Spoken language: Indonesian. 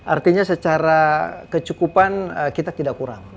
artinya secara kecukupan kita tidak kurang